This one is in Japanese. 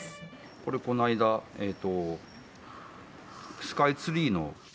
これ、この間スカイツリーの。